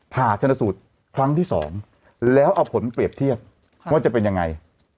ผ่าชนสูตรครั้งที่๒แล้วเอาผลเปรียบเทียบว่าจะเป็นยังไง